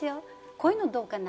こういうのどうかな？